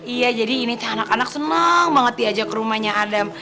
iya jadi ini tuh anak anak senang banget diajak ke rumahnya adam